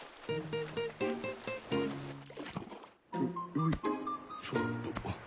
よいしょっと。